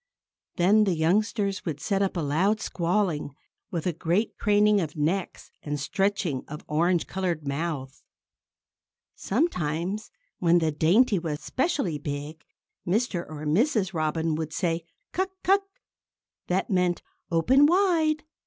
Then the youngsters would set up a loud squalling, with a great craning of necks and stretching of orange colored mouths. Sometimes, when the dainty was specially big, Mr. or Mrs. Robin would say, "Cuck! cuck!" That meant "Open wide!"